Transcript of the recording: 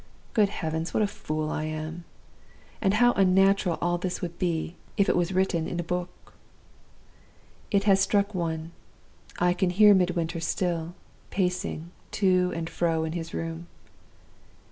Good heavens, what a fool I am! And how unnatural all this would be, if it was written in a book! "It has struck one. I can hear Midwinter still, pacing to and fro in his room.